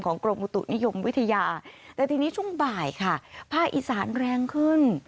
ของกรมประตุนิยมวิทยาแต่ที่นี่ช่วงบ่ายภาคอีสานแรงขึ้น